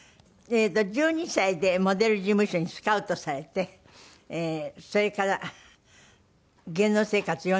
１２歳でモデル事務所にスカウトされてそれから芸能生活４０周年という事ですから。